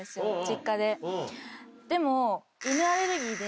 でも。